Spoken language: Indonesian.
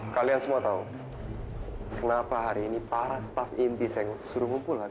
kalian semua tau kenapa hari ini para staf intis yang suruh ngumpul hari